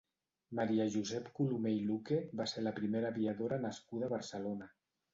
Maria Josep Colomer i Luque va ser la primera aviadora nascuda a Barcelona.